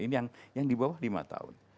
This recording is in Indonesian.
ini yang dibawah lima tahun